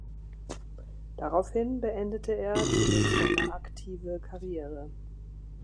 Daraufhin beendete er zunächst seine aktive Karriere.